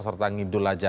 serta ngidul saja